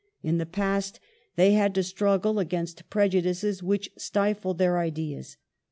In the past they had to struggle against prejudices which stifled their ideas.